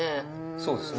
そうですね。